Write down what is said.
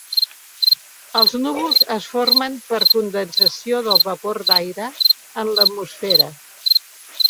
Els núvols es formen per condensació del vapor d’aire en l’atmosfera.